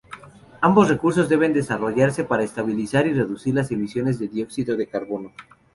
Ambos recursos deben desarrollarse para estabilizar y reducir las emisiones de dióxido de carbono.